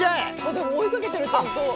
でも追いかけてるちゃんと。